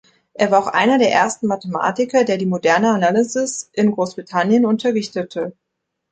Er war auch einer der ersten Mathematiker, der die moderne Analysis in Großbritannien unterrichtete.